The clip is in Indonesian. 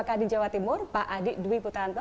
ketua kadim jawa timur pak adik dwi putaranto